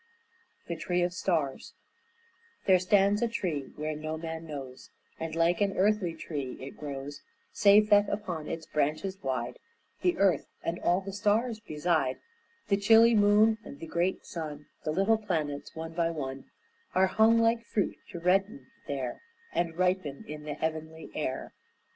THE TREE OF STARS There stands a tree where no man knows, And like an earthly tree it grows, Save that upon its branches wide The earth and all the stars beside, The chilly moon and the great sun, The little planets, one by one, Are hung like fruit to redden there And ripen in the heavenly air.